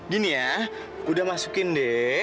gini ya udah masukin deh